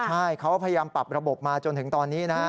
ใช่เขาพยายามปรับระบบมาจนถึงตอนนี้นะ